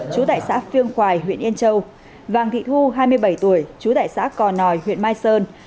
chú tại xã phiêng khoài huyện yên châu vàng thị thu hai mươi bảy tuổi chú tại xã cò nòi huyện mai sơn